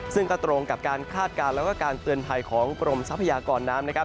ซึ่งก็ตรงกับการคาดการณ์แล้วก็การเตือนภัยของกรมทรัพยากรน้ำนะครับ